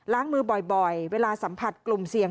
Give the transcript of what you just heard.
มือบ่อยเวลาสัมผัสกลุ่มเสี่ยง